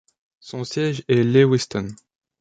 Son siège est Lewiston.